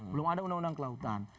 belum ada undang undang kelautan